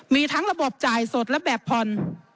มีทั้งระบบจ่ายสดและแบบผ่อน